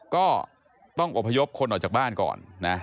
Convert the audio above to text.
ก็ต้องอบพยพคนออกจากบ้านก่อนนะ